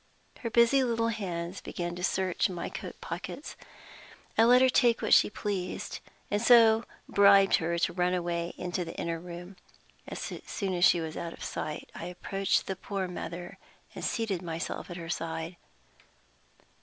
Her busy little hands began to search in my coat pockets. I let her take what she pleased, and so bribed her to run away into the inner room. As soon as she was out of sight, I approached the poor mother and seated myself by her side.